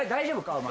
お前。